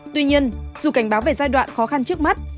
tuy nhiên dù cảnh báo về giai đoạn khó khăn trước mắt